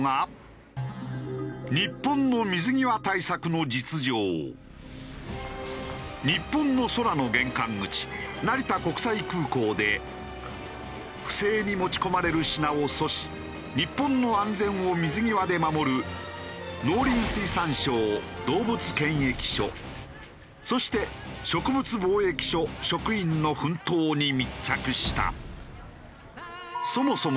そんな中日本の空の玄関口成田国際空港で不正に持ち込まれる品を阻止日本の安全を水際で守る農林水産省動物検疫所そして植物防疫所職員の奮闘に密着した。